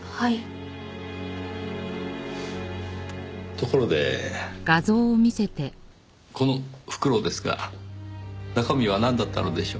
ところでこの袋ですが中身はなんだったのでしょう？